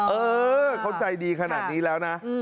เออเขาใจดีขนาดนี้แล้วนะ